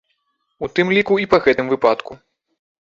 У тым ліку і па гэтым выпадку.